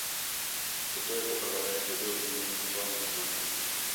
Toto je poprvé kdy byl zmíněn v celém dokumentu.